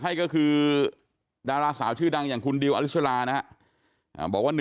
ให้ก็คือดาราสาวชื่อดังอย่างคุณดิวอลิสรานะฮะบอกว่า